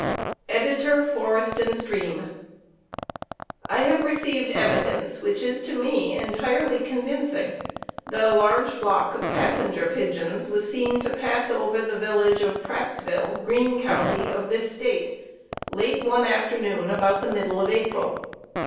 Editor Forest and Stream: I have received evidence which is to me entirely convincing that a large flock of Passenger Pigeons was seen to pass over the village of Prattsville, Greene County, this State, late one afternoon about the middle of April.